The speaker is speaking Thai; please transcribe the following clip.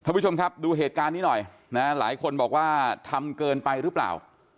ผู้ชมครับดูเหตุการณ์นี้หน่อยนะหลายคนบอกว่าทำเกินไปหรือเปล่า